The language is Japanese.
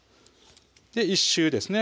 １周ですね